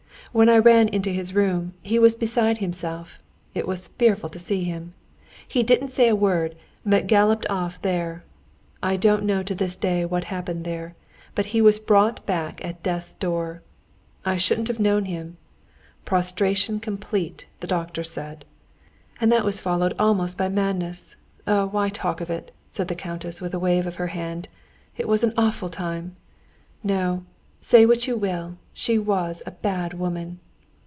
When I ran into his room, he was beside himself—it was fearful to see him. He didn't say a word, but galloped off there. I don't know to this day what happened there, but he was brought back at death's door. I shouldn't have known him. Prostration complète, the doctor said. And that was followed almost by madness. Oh, why talk of it!" said the countess with a wave of her hand. "It was an awful time! No, say what you will, she was a bad woman.